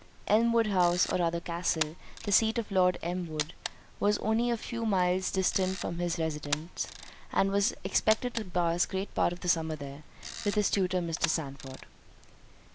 Elmwood House, or rather Castle, the seat of Lord Elmwood, was only a few miles distant from this residence, and he was expected to pass great part of the summer there, with his tutor, Mr. Sandford.